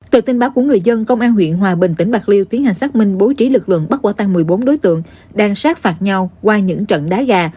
từ tin báo của người dân công an huyện hòa bình tỉnh bạc liêu tiến hành xác minh bố trí lực lượng bắt quả tăng một mươi bốn đối tượng đang sát phạt nhau qua những trận đá gà